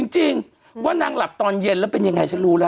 จริงว่านางหลับตอนเย็นแล้วเป็นยังไงฉันรู้แล้ว